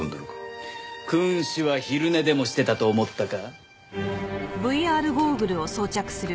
君子は昼寝でもしてたと思ったか？